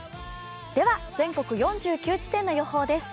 では、全国４９地点の予報です。